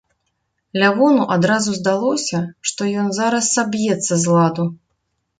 Лявону адразу здалося, што ён зараз саб'ецца з ладу.